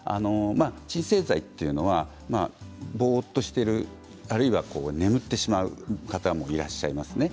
鎮静剤というのはぼーっとしているあるいは眠ってしまう方もいらっしゃいますね。